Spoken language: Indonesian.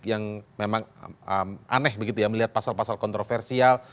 yang memang aneh begitu ya melihat pasal pasal kontroversial